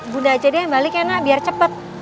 bunda aja deh yang balik ya nak biar cepat